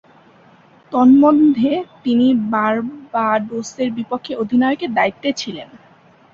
তন্মধ্যে, তিনি বার্বাডোসের বিপক্ষে অধিনায়কের দায়িত্বে ছিলেন।